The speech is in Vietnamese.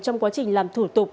trong quá trình làm thủ tục